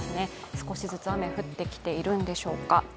少しずつ雨、降ってきているんでしょうか。